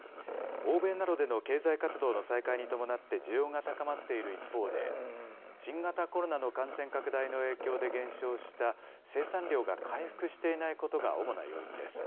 欧米などでの経済活動の再開に伴って需要が高まっている一方で、新型コロナの感染拡大の影響で減少した生産量が回復していないことが主な要因です。